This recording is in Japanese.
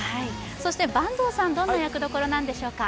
坂東さん、どんな役どころなんでしょうか？